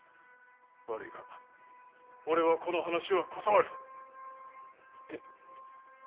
悪いが俺はこの話は断る。